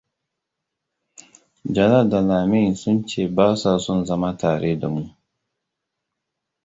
Jalal da Lamiam sun ce basa son zama tare da mu.